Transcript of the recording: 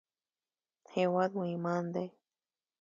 هېواد مو ایمان دی